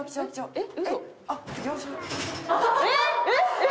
えっ！？